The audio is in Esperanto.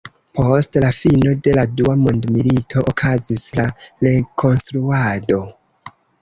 Post la fino de la Dua Mondmilito okazis la rekonstruado.